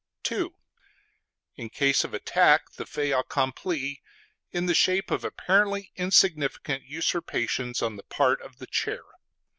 (2) In case of attack, the fait accompli, in the shape of apparently insignificant usurpations on the part of the Chair.